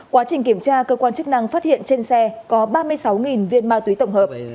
quá trình kiểm tra cơ quan chức năng phát hiện trên xe có ba mươi sáu viên ma túy tổng hợp